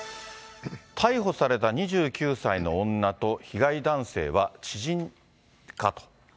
逮捕された２９歳の女と被害男性は知人かと。